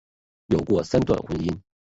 有过三段婚姻。